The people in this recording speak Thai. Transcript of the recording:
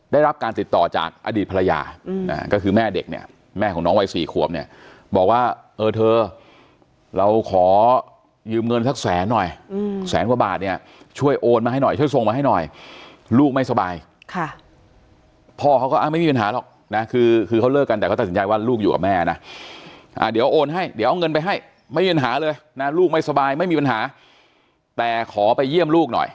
ได้รับการติดต่อจากอดีตภรรยาก็คือแม่เด็กเนี่ยแม่ของน้องวัย๔ขวบเนี่ยบอกว่าเออเธอเราขอยืมเงินสักแสนหน่อยแสนกว่าบาทเนี่ยช่วยโอนมาให้หน่อยช่วยส่งมาให้หน่อยลูกไม่สบายค่ะพ่อเขาก็ไม่มีปัญหาหรอกนะคือเขาเลิกกันแต่เขาตัดสินใจว่าลูกอยู่กับแม่นะเดี๋ยวโอนให้เดี๋ยวเอาเงินไปให้ไม่มีปัญหาเลยนะลูกไม่สบายไม่มีปัญหาแต่ขอไปเยี่ยมลูกหน่อย